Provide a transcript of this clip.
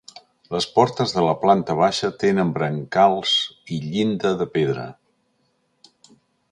Les portes de la planta baixa tenen brancals i llinda de pedra.